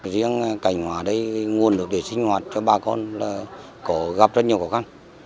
riêng cảnh hóa đây nguồn nước để sinh hoạt cho bà con là có gặp rất nhiều khó khăn